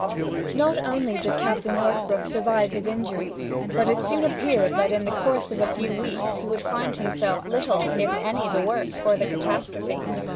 Not only did Captain Northbrook survive his injuries, but it soon appeared that in the course of a few weeks he would find himself little if any the worse for the catastrophe.